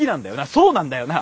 そうなんだよな。